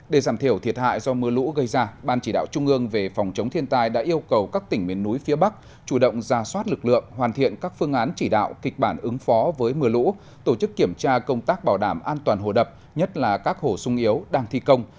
để giảm thiểu thiệt hại do mưa lũ gây ra ban chỉ đạo trung ương về phòng chống thiên tai đã yêu cầu các tỉnh miền núi phía bắc chủ động ra soát lực lượng hoàn thiện các phương án chỉ đạo kịch bản ứng phó với mưa lũ tổ chức kiểm tra công tác bảo đảm an toàn hồ đập nhất là các hồ sung yếu đang thi công